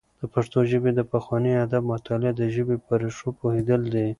د پښتو ژبې د پخواني ادب مطالعه د ژبې په ريښو پوهېدل دي.